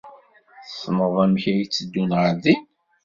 Tessneḍ amek ay tteddun ɣer din?